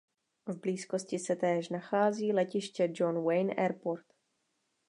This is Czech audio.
V blízkosti se též nachází letiště John Wayne Airport.